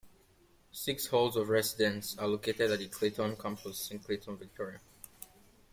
Six halls of residence are located at the Clayton campus in Clayton, Victoria.